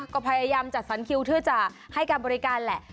ก็พยายามจัดสรรคิวเพื่อจะให้การบริการแหละ